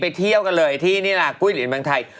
ไปเที่ยวกันเลยที่นี่แหละกุ้ยหลีนเมืองไทย